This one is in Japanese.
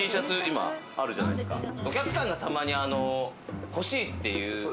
お客さんがたまに欲しいという。